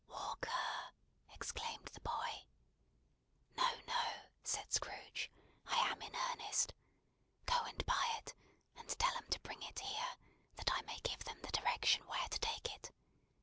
"Walk ER!" exclaimed the boy. "No, no," said Scrooge, "I am in earnest. Go and buy it, and tell 'em to bring it here, that I may give them the direction where to take it.